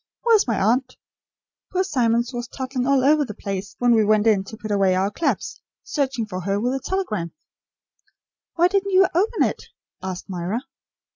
Where is my aunt? Poor Simmons was toddling all over the place when we went in to put away our clubs, searching for her with a telegram." "Why didn't you open it?" asked Myra.